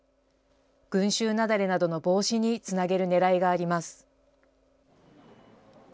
群集雪崩などの防止につなげるねらいがあります。